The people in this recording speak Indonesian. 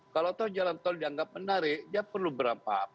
kalau jalan tol dianggap menarik dia perlu berapa